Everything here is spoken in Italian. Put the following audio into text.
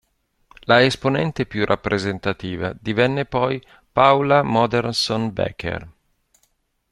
La esponente più rappresentativa divenne poi Paula Modersohn-Becker.